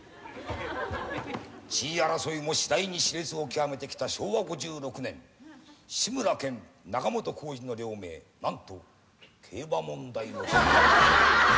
地位争いも次第に熾烈を極めてきた昭和５６年志村けん仲本工事の両名何と競馬問題を引き起こす。